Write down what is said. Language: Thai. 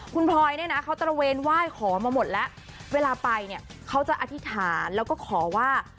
คุณพลอยเนี่ยนะเขาตระเวนไหว้ขอมาหมดแล้วเวลาไปเนี่ยเขาจะอธิษฐานแล้วก็ขอว่า